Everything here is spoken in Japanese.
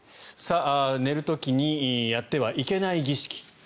寝る時にやってはいけない儀式。